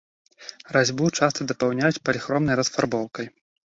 Разьбу часта дапаўняюць паліхромнай расфарбоўкай.